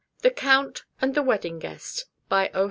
THE COUNT AND THE WEDDING GUEST By O.